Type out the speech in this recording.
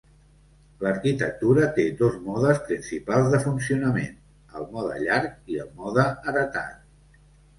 L'arquitectura té dos modes principals de funcionament: el mode llarg i el mode heretat.